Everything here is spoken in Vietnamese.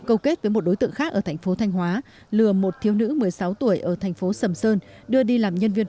câu kết với một đối tượng khác ở tp thanh hóa lừa một thiếu nữ một mươi sáu tuổi ở tp sầm sơn đưa đi làm nhân viên